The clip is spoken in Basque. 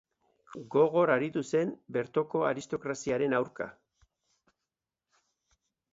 Gogor aritu zen bertoko aristokraziaren aurka.